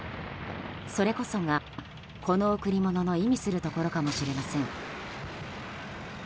それこそが、この贈り物の意味するところかもしれません。